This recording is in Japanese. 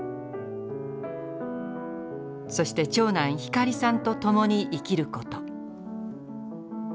そして長男光さんと共に生きること。